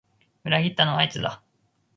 裏切ったのはあいつだ